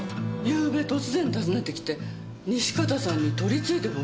ゆうべ突然訪ねて来て西片さんに取り次いで欲しいって。